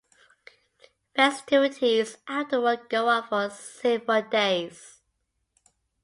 Festivities afterward go on for several days.